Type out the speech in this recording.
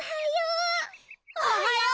おはよう！